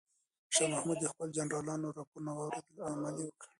شاه محمود د خپلو جنرالانو راپورونه واورېدل او عمل یې وکړ.